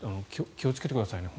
気をつけてくださいね。